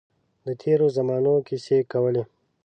د تېرو زمانو کیسې کولې.